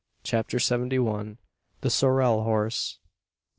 CHAPTER SEVENTY ONE. THE SORELL HORSE.